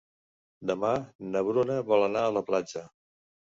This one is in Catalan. Demà na Bruna vol anar a la platja.